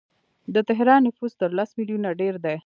د تهران نفوس تر لس میلیونه ډیر دی.